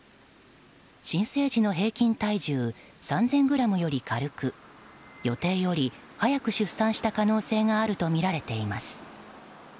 新生児の平均体重３０００ｇより軽く予定より早く出産した可能性があるとみられています。